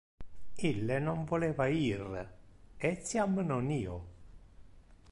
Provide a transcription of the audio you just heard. Ille non voleva ir, etiam non io.